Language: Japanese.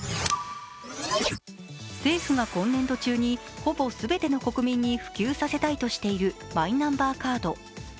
政府が今年度中にほぼ全ての国民に普及させたいとしているマイナンバーカード。